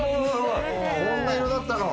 こんな色だったの。